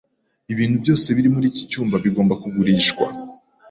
Ibintu byose biri muri iki cyumba bigomba kugurishwa.